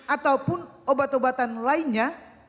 ataupun obat obatan lainnya